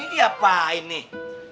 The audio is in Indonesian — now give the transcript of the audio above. ini dia apaan nih